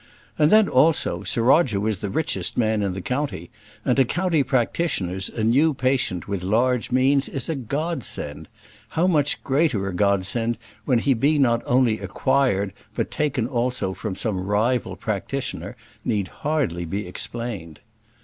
And then, also, Sir Roger was the richest man in the county, and to county practitioners a new patient with large means is a godsend; how much greater a godsend when he be not only acquired, but taken also from some rival practitioner, need hardly be explained.